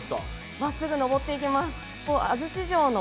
まっすぐ上っていきます。